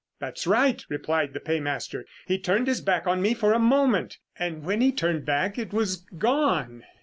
"That's right," replied the paymaster. "He turned his back on me for a moment, and when he turned back, it was gone."